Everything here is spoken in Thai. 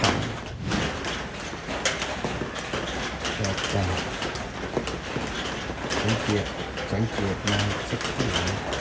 แล้วจากสังเกียจสังเกียจมาสักที